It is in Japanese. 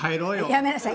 やめなさい。